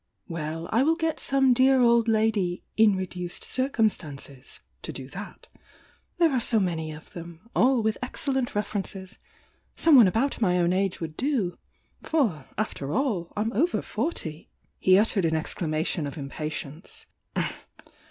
Well, I will get some dear old lady 'in re duced circumstances' to do that. There are so many of them — all with excellent references. Someone about my own age would do, — for after all, I'm over forty!" He uttered an exclamation of impatience.